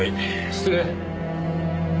失礼。